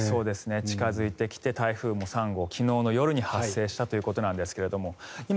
近付いてきて台風も３号昨日の夜に発生したということなんですが今、